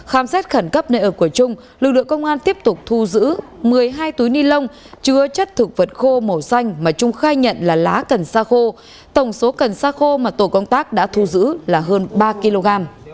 khám xét khẩn cấp nơi ở của trung lực lượng công an tiếp tục thu giữ một mươi hai túi ni lông chứa chất thực vật khô màu xanh mà trung khai nhận là lá cần xa khô tổng số cần xa khô mà tổ công tác đã thu giữ là hơn ba kg